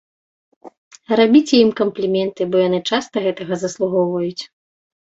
Рабіце ім кампліменты, бо яны часта гэтага заслугоўваюць.